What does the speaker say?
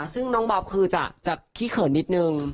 ซึ่งน้องบ๊อบคือจะขี้เขินนิดนึง